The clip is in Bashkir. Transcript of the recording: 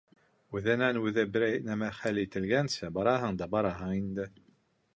Үҙенән-үҙе берәй нәмә хәл ителгәнсе, бараһың да бараһың инде.